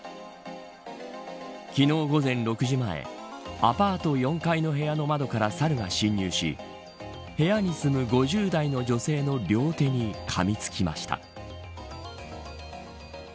昨日午前６時前アパート４階の部屋の窓からサルが侵入し部屋に住む５０代の女性の両手にかみつきました。